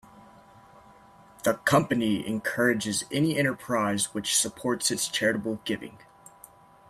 The company encourages any enterprise which supports its charitable giving.